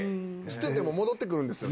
捨てても戻ってくるんですよ